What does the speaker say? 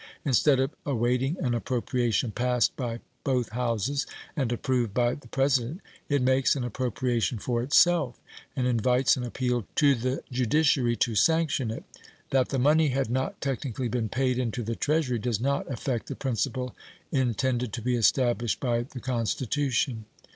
Instead of awaiting an appropriation passed by both Houses and approved by the President, it makes an appropriation for itself and invites an appeal to the judiciary to sanction it. That the money had not technically been paid into the Treasury does not affect the principle intended to be established by the Constitution.